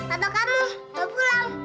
atau kamu mau pulang